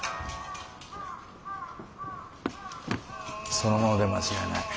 その者で間違いない。